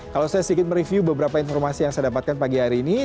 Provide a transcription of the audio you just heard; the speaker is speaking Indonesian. kalau saya sedikit mereview beberapa informasi yang saya dapatkan pagi hari ini